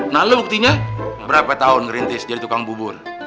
nah lu buktinya berapa tahun ngerintis jadi tukang bubur